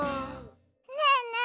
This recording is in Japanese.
ねえねえ